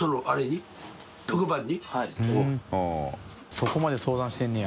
そこまで相談してるんや。